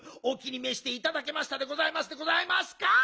お気にめしていただけましたでございますでございますか？